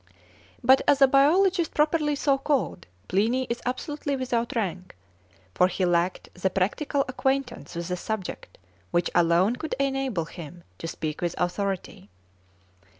But, as a biologist properly so called, Pliny is absolutely without rank, for he lacked that practical acquaintance with the subject which alone could enable him to speak with authority.